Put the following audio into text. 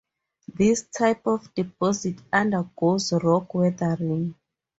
This type of deposit undergoes rock weathering.